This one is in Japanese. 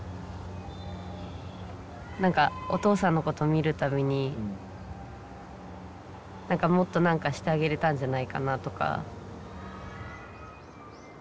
何かお父さんのことを見るたびにもっと何かしてあげれたんじゃないかなとか。